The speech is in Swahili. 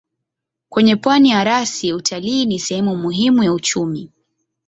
Kwenye pwani ya rasi utalii ni sehemu muhimu ya uchumi.